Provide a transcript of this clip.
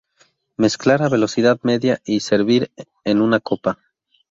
Mezclar a velocidad media y servir en una copa.